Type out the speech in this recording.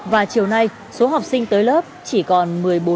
và chiều nay số học sinh tới lớp chỉ còn một mươi bốn